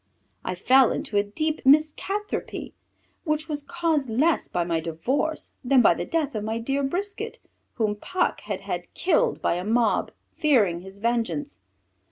I fell into a deep miscathropy which was caused less by my divorce than by the death of my dear Brisquet, whom Puck had had killed by a mob, fearing his vengeance.